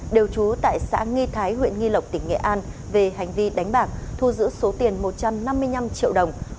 đều trú tại xã nghi thái huyện nghi lộc tỉnh nghệ an về hành vi đánh bạc thu giữ số tiền một trăm năm mươi năm triệu đồng